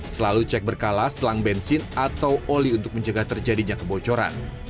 selalu cek berkala selang bensin atau oli untuk menjaga terjadinya kebocoran